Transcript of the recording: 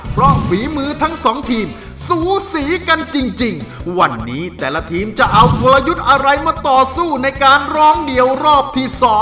เพราะฝีมือทั้งสองทีมสูสีกันจริงวันนี้แต่ละทีมจะเอากลยุทธ์อะไรมาต่อสู้ในการร้องเดี่ยวรอบที่๒